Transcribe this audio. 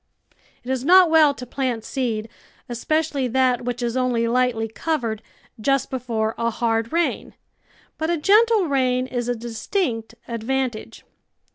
It is not well to plant seed, especially that which is only lightly covered, just before a hard rain, but a gentle rain is a distinct advantage.